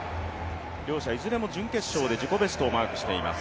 両者いずれも準決勝で自己ベストをマークしています。